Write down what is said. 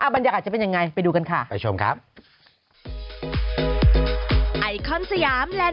มาที่นี่เลย